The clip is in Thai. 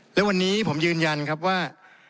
และวันนี้ผมยืนยันครับว่า